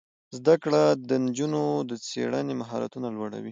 زده کړه د نجونو د څیړنې مهارتونه لوړوي.